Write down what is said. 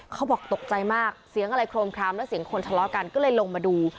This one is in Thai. เขาบอกตกใจมากเสียงอะไรโครมคลามแล้วเสียงคนทะเลาะกันก็เลยลงมาดู